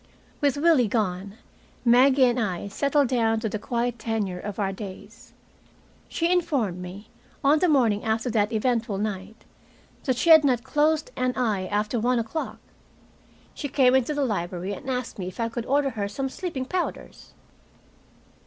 With Willie gone, Maggie and I settled down to the quiet tenure of our days. She informed me, on the morning after that eventful night, that she had not closed an eye after one o'clock! She came into the library and asked me if I could order her some sleeping powders.